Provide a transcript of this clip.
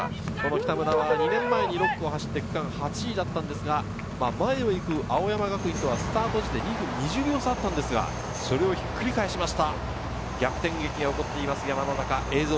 北村は２年前に６区を走って区間８位だったんですが、前を行く青山学院はスタート時で２分２０秒差あったんですが、それをひっくり返しました。